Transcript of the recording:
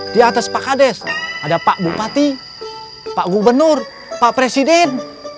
di atas pak kades ada pak bupati pak gubernur pak presiden